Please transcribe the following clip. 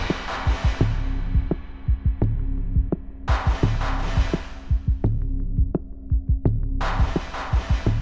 วิสัยมันมาว่ามันเป็นอย่างงี้มันเป็นร่างสกตร์แปลงใหญ่